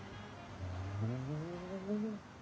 ふん。